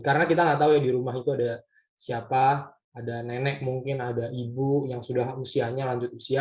karena kita nggak tahu ya di rumah itu ada siapa ada nenek mungkin ada ibu yang sudah usianya lanjut usia